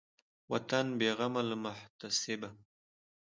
وطن بېغمه له محتسبه